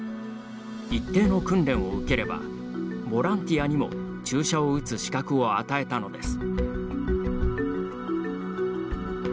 一定の訓練を受ければボランティアにも注射を打つ資格を与えたのです。